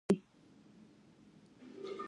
ورو ورو به فزيکي اډانه هم پيدا کړي.